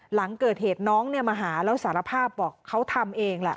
หลังเกิดเหตุน้องมาหาแล้วสารภาพบอกเขาทำเองแหละ